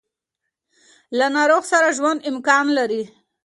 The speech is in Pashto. له ناروغ سره ژوند امکان لري.